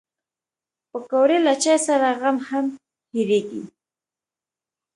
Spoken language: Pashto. پکورې له چای سره غم هم هېرېږي